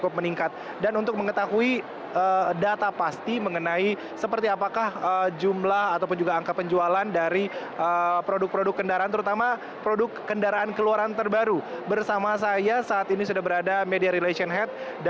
pengunjung semakin dari semakin bertarung